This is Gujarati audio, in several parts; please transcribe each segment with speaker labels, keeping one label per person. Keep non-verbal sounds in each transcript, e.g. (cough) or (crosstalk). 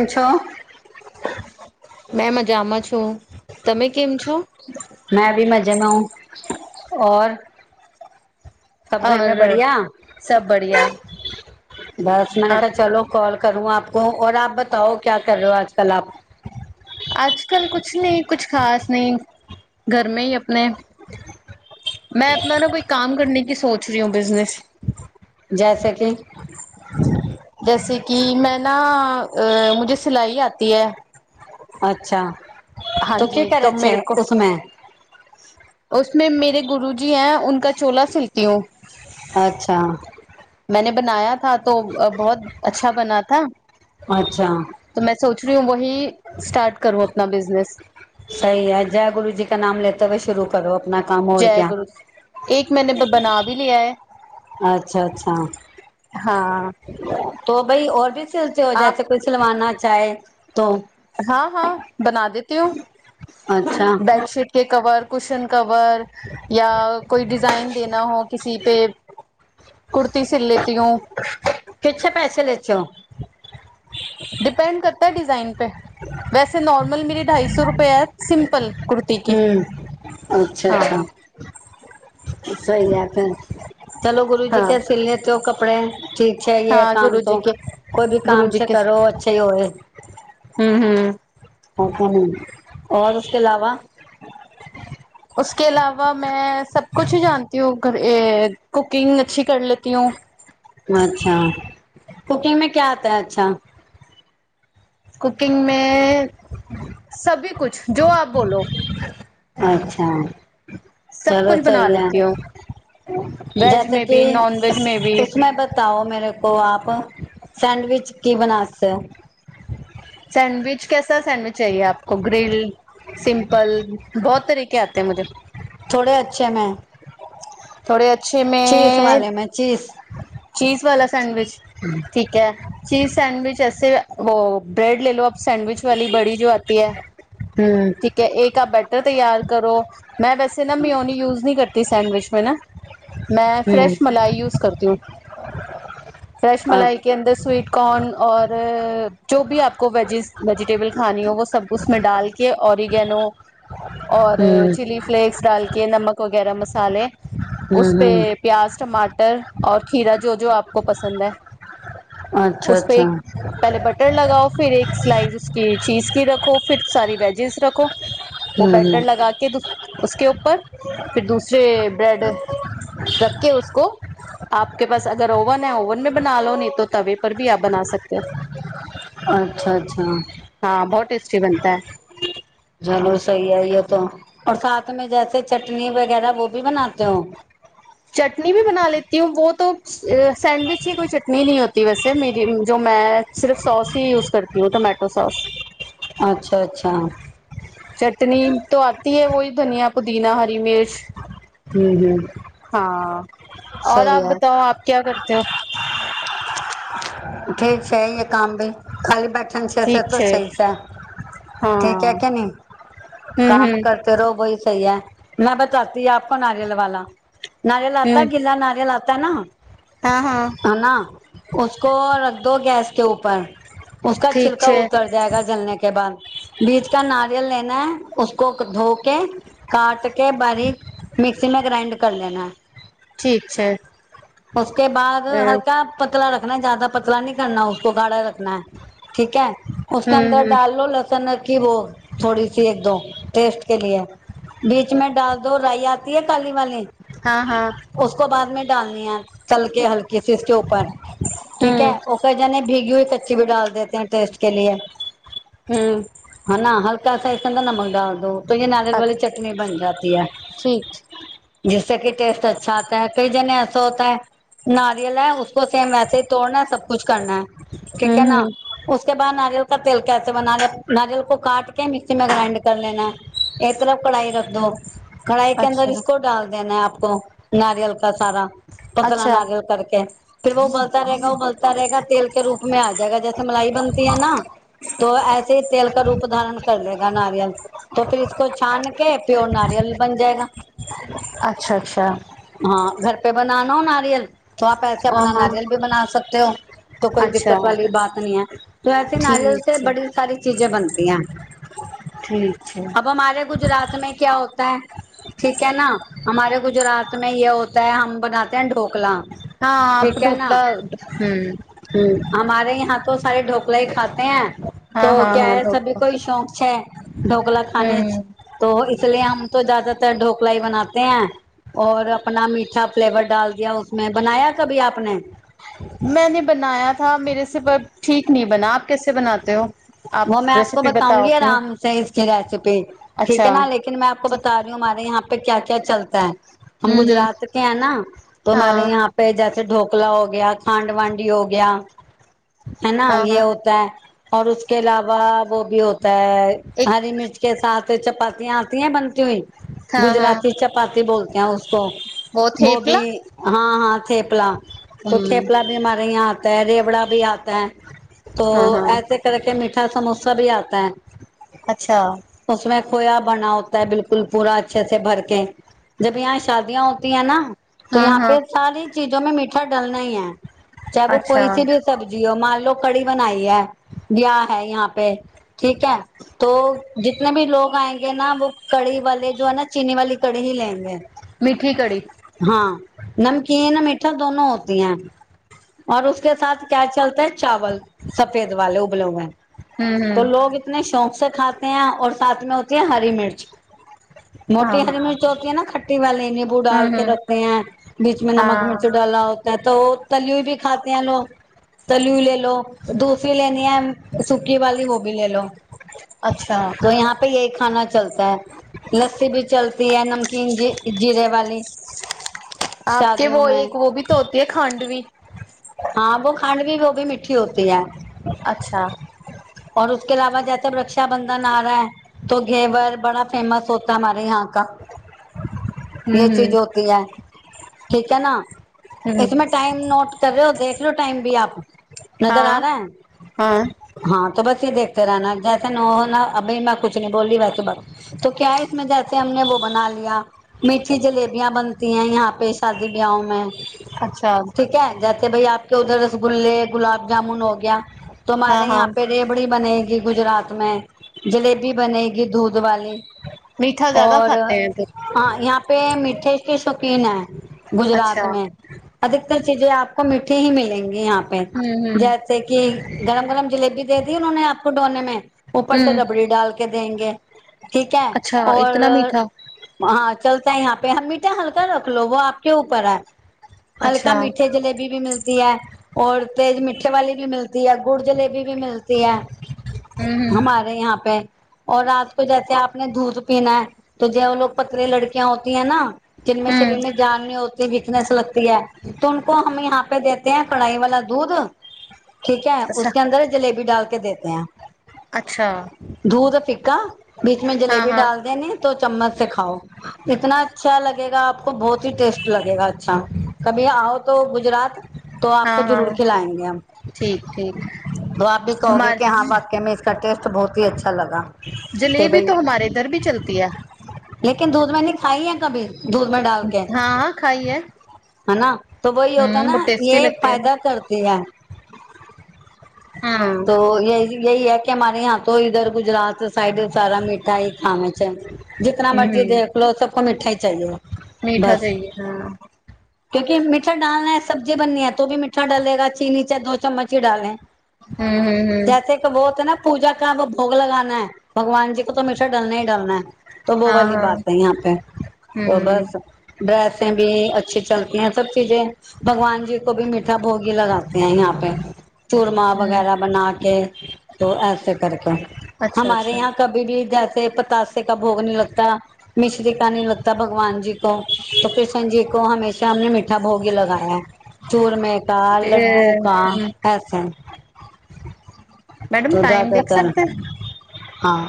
Speaker 1: (unintelligible) છો
Speaker 2: મે મજામાં છું તમે કેમ છો?
Speaker 1: મેં ભી મજેમાં હું ઓર સબ ઘર
Speaker 2: ઓર
Speaker 1: મે બઢિયા?
Speaker 2: સબ બઢિયા
Speaker 1: બસ મે
Speaker 2: આપ
Speaker 1: ચલો કોલ કરું આપકો આપ બતાઓ ક્યા કર રહે હો આજકાલ આપ?
Speaker 2: આજકાલ કુછ નહી કુછ ખાસ નહી. ઘરમે હી આપને મેં આપના ના કોઈ કામ કરવા કે સોચ રહી હું બિઝનેસ.
Speaker 1: જેસે કી?
Speaker 2: જૈસે કે મેના અ મુજે સિલાઈ આતી હે.
Speaker 1: અચ્છા તો કે કરે છે ઉમે.
Speaker 2: ઓસમે મેરે ગુરુજી હૈ કા ચોલા સીલતી હું
Speaker 1: અચ્છા.
Speaker 2: મેને બનાયા થા તો બહોત અચ્છા બના થા. તો મેં સોચ રહી હું વહી સ્ટાર્ટ કરું આપના બિઝનેસ
Speaker 1: સહી હ જય ગુરુજી કા નામ લેતે હય શરૂ કરો.
Speaker 2: જય ગુરુ એક મેને બના ભ લયા હૈ.
Speaker 1: અચ્છા અચ્છા.
Speaker 2: હા.
Speaker 1: તો ભાઈ ભી સલતી હો જસે કોઈ સલવના ચાહે તો
Speaker 2: હા હા બના દેતી હું બેડશીટ કે કબર કુશન કબર યા કોઈ ડિઝાઇન દેના હો કસી પે કુર્તી સલ લેતી હું
Speaker 1: કિતને પૈસે લેતે હો
Speaker 2: ડિપેન્ડ કરતા ડિઝાઇન પે વેસે નોર્મલ મેરી ઢાઈસો રૂપે સિમ્પલ કુર્તી ક
Speaker 1: અચ્છા અચ્છા સહી ચાલો ગરુજી કે સીલ લતો હો કપડે ઠી છે, એ કામ તો કોઈ ભી કામ છે કરો છે હોય.
Speaker 2: હમ હમ
Speaker 1: ઓ ઓરકે અલાવા
Speaker 2: ઉકે અલાવા મેં સબ કુછ હ જાનતી હું ઘ કુકિંગ અચ્છી કર લેતી હું
Speaker 1: અચ્છા કુકિંગ મેં ક્યા આતા અચ્છા?
Speaker 2: કુકિંગ મે સભી કછ જો આપ બોલો
Speaker 1: અચ્છા ચલો સહી (unintelligible) બતાઓ મેરે કો આપ સેડવિચ કે બનાતે
Speaker 2: સેન્ડવિચ કસાા સન્ડવિચ ચાએ આપ ઓ ગ્રલ સિમ્પલ બહત તરીકે આતે મુજે
Speaker 1: થોડે અચ્છે મે
Speaker 2: થોડે અચ્છે મેં ચીઝ વા સેન્ડવિચ ઠીક કયા ચીઝ સેન્ડવિચ એ હો બ્રેડ લે લો આપ સેન્ડવિચ વાલી બડી જો આતી હૈ. કે એક આપ બેટર તૈયાર કરો મેં વેસે ના મિયોની યુઝ નહી કરતી સેન્ડવિચ મે ન મેં ફ્રેેશ મલાઈ યુઝ કરતી હું. ફ્રેશ મલાઈ કે અંદર સ્વીટ કોન ઓર જો ભી આપકો વેજિસ વેજિટેબલ ખાની હોય સબ ઉમાં ડાલ કે ઓરિગેનો ઔર ચીલ્લી ફ્લેક્સ ડાલકે નમક વગેર મસાલે ઉસ્પે પ્યાજ ટમાટર ઔર ખીરા જો જો આપકો પસંદ હૈ. ઓપે એક પહેલે બટર લગાઓ ફિર એક સ્લાઇઝકી ચીઝ કી રખો ફિર સારી વેજેસ રખો. વ બેટર લગાકે ઉશકે ઉપર ફિર દૂસરે બ્રેડ રખકે ઉસકો આપ કે પાસ અગર ઓવન હૈ ઓવન મે બના લો નહી તો ત પર ભી આપ બના સકતે હા બહોત ટેસ્ટી બનતા હૈ.
Speaker 1: ચલો સહી હૈ એ તો સાથ મે જૈસે ચટણી વગેરા વો ભી બનાતે હો.
Speaker 2: ચટની ભી બના લેતી હું વો તો સેન્ડવિચ કે કોઈ ચટની નહી હોતી વૈસે મેરી જો મેં સિફ સોસ હી યુઝ કરતી હું ટમેટો સોસ.
Speaker 1: અચ્છા અચ્છા.
Speaker 2: ચટણી તો આતી હૈ વહી ધનિયા પુદીના હરી મિર્ચ. હા આપ બતાઓ આપ ક્યા કરતે હો.
Speaker 1: ઠીક છે એ કામ ભી. ખાલી બેઠન છે તો છે ઠીક કે નહી.
Speaker 2: હમ હમ.
Speaker 1: ફે બહી સહી હે મેં બતાતી હું આપકો નાારિયલવાલા નાારિયલ આતા હૈ ગીલા નાારીયલ આતા તાના.
Speaker 2: હા હા.
Speaker 1: હે ના ઉસકો રખ દો ગેસ કે ઉપર ઉસકા છિલકા ઉતર જાયેગા જલને કે બાદ બીજ કા નારિયલ લેના હે ઉસકો ધો કે કાટ કે બારીક મિક્સીમાં ગ્રાન્ડ કર લેના હે.
Speaker 2: ઠીક છે.
Speaker 1: ઉકે બાદ હલકા પતલા રખના જ્યાદા પતલા નઈ કરના ગાળા રખના ઠીકે અંદર ડાલ લો લ વો થોડી સી એકદમ ટેસ્ટ કે લીએ. બીચ મે ડાલ દો રાઈ આતી હે કાલી વાલી.
Speaker 2: હા હા.
Speaker 1: ઉસકો બાદ મે ડાલની હે ચલ કે હલકી સી ઉસકે ઉપર ઠીક હે ઓકે જાને ભીગી હુઈ કચી ડાલ દેતી હે ટેસ્ટ કે લીએ.
Speaker 2: હમ.
Speaker 1: હ ના હલ્કા સા સિંધા નમક દાલ દો. તો એ નારિયલ વાલી ચટણી બન જાતી હૈ. જીસે કે ટેસ્ટ અચ્છા આતા હ કઈ જને એસો હોતા હ નાારીયલ હે સેમ વેસેહી તોડના સબ કુછ કરના ઠીક હે ના. ઉસકે બાદ નારીયલ કા તેલ કેશે બનાતે નારીયલ કો કાટ કે મિક્સી મે ગ્રાઇન્ડ કર લેના. એક તરફ કડાઈ રાખ દો. કઢાઈ કે અંદર ઈસકો ડાલ દેના આપકો નારીયલ કા સારા પતલા નારીયલ કર કે. ફિર વો ઉબલતા રહે ગા ઉબલતા રહે ગા તેલ કે રૂપમે આ જાયેગા જૈસે મલાઈ બનતી હૈ ના તો એસે હિ તેલ કા રૂપ ધારણ કર લેગા નારીયલ. તો ફિર ઉસકો છાન કે પ્યોર નારીયલ બન જાયેગા.
Speaker 2: અચ્છા અચ્છા.
Speaker 1: હા ઘર પે બન નો નારીિયલ તો આપ એસે
Speaker 2: હા
Speaker 1: આપના
Speaker 2: હા
Speaker 1: નારીિયલ ભી બના સકતે હો તો કોઈ
Speaker 2: અચ્છા
Speaker 1: દિક્કત વાળી બાત નહીં તો વસે
Speaker 2: ઠીક
Speaker 1: નારીિયલથી
Speaker 2: છે
Speaker 1: બડી. સારી ચીજા બનતી્યા.
Speaker 2: ઠીક છે.
Speaker 1: અબ હમારેે ગુજરાત મે ક્યા હોતા હ. ઠીક હે ના હમારે ગુજરાત મે હોતા હ હમ બનાતે ઢોકલા.
Speaker 2: હા આપ ઢોકલા હમ.
Speaker 1: હમ હમારે ં તો સાર ઢોકલે ખાતે હૈ. તો ક્યાય સભ કોઈ શોક છે ઢોકલા ખાને જ. તો લય હમ તો જદાતર ઢોકલાઈ બનાતે હૈ. ઔ આપના મીઠા ફ્લેવર ડાલ દયામે બનાયા કભી આપને.
Speaker 2: મેને બનાયા થ મેરેસે બ ઠીક ન બના આપ કેસે બનાતે હો.
Speaker 1: વ મેં આપ બતાઉંગી આરામસેઈ રેસીિપી ઠીકે લકિ મે આપ બતા. પે ક્યા ક્યા ચલતા હ હમ ગુજરાત કે હૈ તો. પે જસે ઢોકલા હો ગયા ખાંડ વાાડી હો ગયા. હેના એ હોતા હકે અલાવા વો ભી હો. તો હરી મિર્ચ કે સાથ ચપતિયા તીય બનતી હોય. ગુજરાતી ચપાતી બોલતે હકો વ ભી. હા હા થેપલા તો થેપલા ભી હમારે આતા હ રેવડા ભી આતા હૈ. તો એસે કર કે મીઠા સમોસા ભી આતા હૈ
Speaker 2: અચ્છા
Speaker 1: ઉસમે ખોયા બના હોતા હે બિલકુલ પૂરા અચ્છે સે ભરકે. જબ યહા શાદીયા હોતી હૈ ના તો યહા પે સારી ચીજો મે મીઠા ડાલના હ ચાહે વો કોઈ સી ભી સબ્જીીઓ માન લો કડી બનાઈ હૈ, બ્યાહ હૈ યહાં પે ઠીક હૈ તો જિતને ભી લોગ આયંગે ના વો કડી વાલે જો હે ના ચીની વાડી કડી હી લેંગે.
Speaker 2: મીઠી કડી.
Speaker 1: હા નમકીન, મીઠા દોનો હોતી હૈ. ઓર ઉસકે સાથ ક્યા ચલતા ચાવલ સફેદ વાલે ઉબલે હુવે તો લોગ ઉતને શોક સે ખાતે હે ઓર સાથ મેં હોતે હૈ હરી મિર્ચ મોટી હરી મિર્ચ તી ખ્ટી વાલી નિમ્બુ ડાલ કે રખતેેૈ હૈ બીચ મે નમક મિર્ચ ડાલા હોત તા તો તલયુ ભી ખાતે હે લો તલયુ લે લો ધો કી લેની હે સુકી વાલી વોભી લેલો.
Speaker 2: અચ્છા
Speaker 1: તો યહાં પે યહી ખાના ચલતા હૈ. લસ્સી ભી ચલતી હૈ નમકીન જ જીરે વાલી.
Speaker 2: આપ કે વો એક વો ભીતો હોતી હે ખાંડવી.
Speaker 1: હા વો ખંડભી વોભી મીઠી હોતી હૈ.
Speaker 2: અચ્છા.
Speaker 1: ઓર ઉસકે અલાવા જૈસે રક્ષાબંધન આરા હૈ. તો ઘેવર બડા ફેમસ હોતા હૈ હમારે યહાં કા. યે ચીજ હોતી હે. ઠીક હે ના ઈસમે ટાઈમ નોટ કર દેખ લો ટાઈમ ભી આપ નજર આ રહા હૈ? હા તો બસ દેખતે રહેના જૈસા નો હો ના અભી મેં કુછ નહી બોલી વૈસે બક તો ક્યા ઈસમે જૈસે હમને વો બના લિયા. મીઠી જલેબિયા બનતી હૈ યહાં પે શાદી બ્યાહો મે.
Speaker 2: અચ્છા.
Speaker 1: કયા હે જેસે ભાઈ આપ કે ઉધર રસગુલ્લે, ગુલાબ જામુન હો ગયા તો હમારે યહાં રેવડી બનેગી ગુજરાત મે, જલેબી બનેગી દૂધ વાલી. ઓર હહ યહાં પે મીઠે કે શોકીન હૈ ગુજરાત મે. અધિકતર ચીજે આપકો મીઠી હી મિલેંગી યહાં પે જેસ સે કી ગરમ ગરમ જલેબી દે દીને ઉન્હોને આપકો ડોને મેં ઉપર સે રબડી ડાલ કે દેંગે ઠીકે ઓર હા ચલતા યહાં પે મીઠા હલકા રખલો લો વો આપકે ઉપર હે. હલકા મીઠે જલેબી ભી મિલ તી હે, ઓર તેજ મીઠી વાલે ભી મીલતી હૈ, ગુડ જલેબી ભી મીલતી હૈ. હમારે યહાં પે ઓર રાત કો જૈસે આપને દૂધ પીના હૈ તો જે પતરે લડકિયા હોતી હૈ ના. જિનમે શરીર મેં જાન ની હોતી હૈ વીકનેસ લગતી હૈ તો હમકો હમ યહાં પે દે તે હે કડાઈ વાલા દૂધ ઠીક હે ઉસકે અંદર જલેબી ડાલ કે દેતે હૈ.
Speaker 2: અચ્છા.
Speaker 1: ધૂધ ફીકા બીચ મે જલેબી ડાલ દેને તો ચમ્મચ ખાઓ. એતના અચ્છા લગેગા આપકો બહુત હી ટેસ્ટ લગેગા અચ્છા કભી આઓ તો ગુજરાત તો આપકો જરૂર ખલાએંગે હમ.
Speaker 2: ઠીક ઠીક
Speaker 1: બી કહોગે કે હા વાક્ય મિસ્કા ટેસ્ટ બહુત હી અચ્છા લગા.
Speaker 2: જલેબી તો હમારે ધર ભી ચલતી હ.
Speaker 1: લેકિન દૂધમાંની ખાઈ કભી બહ બડા
Speaker 2: હા હા ખાઈએ.
Speaker 1: હેના તો બહી હોતા એ ફાયદા કરતીય. તો એહી એક કે તો ધર ગુજરાત સાઈડ સારા મીઠાાઈ ખામ છે જીના મર્જી દ લોસબ કો મઠાઈ ચાય.
Speaker 2: મીઠા ચાએ હ
Speaker 1: ક્યુકી મીઠા ડાલનાૈ સબ્જીી બનની હ તોી મીઠા ડલેગ ચીની ચો ચમ્ચી ડાે
Speaker 2: હમ હમ
Speaker 1: જૈસે કે બોતે ને પૂજા ક ભોગ લગાૈ ભગવાનજીી કો તો મીઠા ડલના ડલનાૈ તો બો
Speaker 2: હા
Speaker 1: વાલી
Speaker 2: હા
Speaker 1: બાત હૈ (unintelligible) પે તો બસ ડ્રેસ ભી અચ્છી ચલતી હૈ સબ ચીજે. ભગવાનજીી કો ભી મીઠા ભોગી લગાતે હૈ યાં પે ચૂરમા વગેરા બના કે તો એ કર હ ક (unintelligible) કીજસે પતાસે કા ભોગ ન લગતા. મિશ્રી કા ન લગતા ભગવાનજીી કો તો કૃષ્ણજી કો હમેશા હમને મીઠા ભોગી લગયા. ચૂરમે કા લડ્ડુ કા હસે. ચુંધા તન હા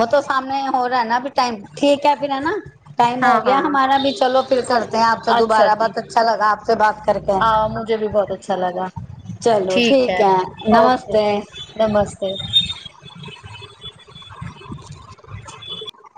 Speaker 1: ઓ તો સામને હો ના ટાઈમ ઠીક હ ફર હેના. ટાાઈમ હો ગયા હા ભી ચલો ફ કરતેે આપ તો દબારા બત અચ્છા લગા આપ બાત કર કે
Speaker 2: બહુ અચ્છા લા
Speaker 1: ચલો ઠીકે
Speaker 2: ઓકે નમસ્તે